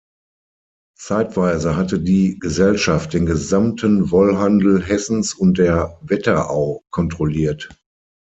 Zeitweise hatte die Gesellschaft den gesamten Wollhandel Hessens und der Wetterau kontrolliert.